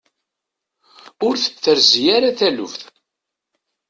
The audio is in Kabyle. Ur t-terzi ara taluft.